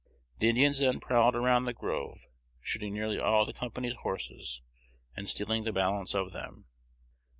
The Indians then prowled around the grove, shooting nearly all the company's horses, and stealing the balance of them.